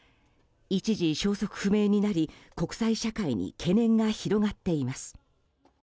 一時、消息不明になり国際社会に懸念が広がっています。